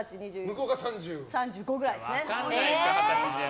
向こうが３５ぐらいですね。